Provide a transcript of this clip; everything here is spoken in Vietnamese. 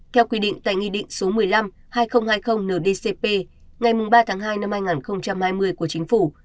theo quy định tại nghị định số một mươi năm hai nghìn hai mươi ndcp ngày ba tháng hai năm hai nghìn hai mươi của chính phủ